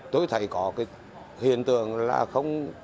tôi thấy có cái hiện tượng là không